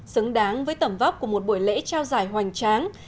xứng đáng với tầm vóc của một buổi lễ trao giải hoành tráng